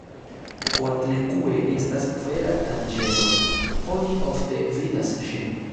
Koatlikue estas vera danĝero, oni ofte vidas ŝin.